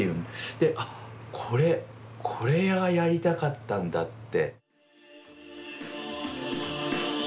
で「あっこれこれがやりたかったんだ」って。